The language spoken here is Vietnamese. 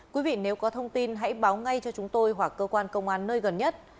quý vị nếu có thông tin hãy báo ngay cho chúng tôi hoặc cơ quan công an nơi gần nhất